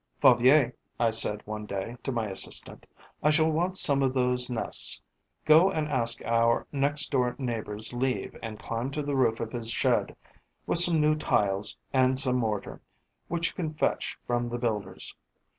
'Favier,' I said, one day, to my assistant, 'I shall want some of those nests. Go and ask our next door neighbour's leave and climb to the roof of his shed, with some new tiles and some mortar, which you can fetch from the builder's.